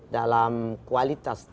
dalam kualitas waktu